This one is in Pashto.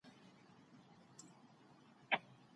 ښایي موږ نن ډېري مڼې راوړو.